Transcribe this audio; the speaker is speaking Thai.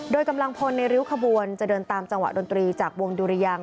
โดยกำลังพลในริ้วขบวนจะเดินตามจังหวะดนตรีจากวงดุรยัง